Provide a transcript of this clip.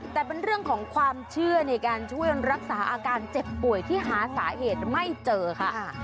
แต่เป็นเรื่องของความเชื่อในการช่วยรักษาอาการเจ็บป่วยที่หาสาเหตุไม่เจอค่ะ